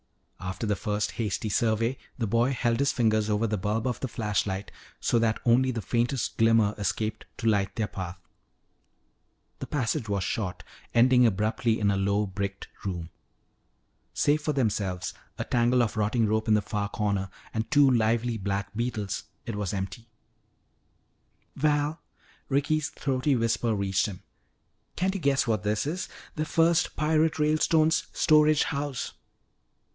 After the first hasty survey, the boy held his fingers over the bulb of the flashlight so that only the faintest glimmer escaped to light their path. The passage was short, ending abruptly in a low bricked room. Save for themselves, a tangle of rotting rope in a far corner, and two lively black beetles, it was empty. "Val," Ricky's throaty whisper reached him, "can't you guess what this is? The first pirate Ralestone's storage house!"